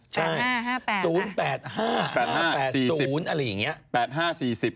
ใช่ศูนย์๘๕ศูนย์๔๐อะไรอย่างนี้ศูนย์๘๕ศูนย์๔๐